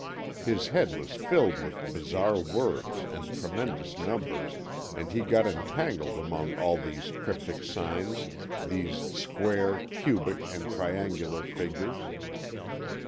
His head was filled with bizarre words and tremendous numbers, and he got entangled among all these cryptic signs, these square, cubic, and triangular figures.